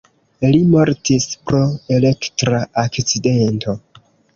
Li mortis pro elektra akcidento.